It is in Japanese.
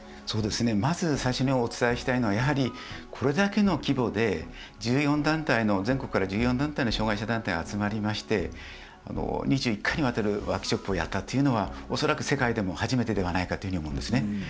まず最初にお伝えしたいのはやはりこれだけの規模で１４団体の全国からの１４団体の障害者団体が集まりまして２１回にわたるワークショップをやったというのは恐らく世界でも初めてではないかというふうに思いますね。